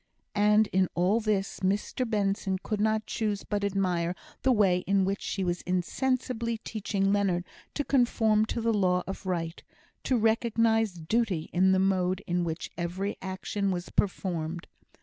And in all this, Mr Benson could not choose but admire the way in which she was insensibly teaching Leonard to conform to the law of right, to recognise Duty in the mode in which every action was performed.